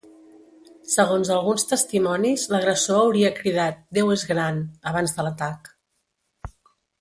Segons alguns testimonis, l’agressor hauria cridat ‘Déu és gran’ abans de l’atac.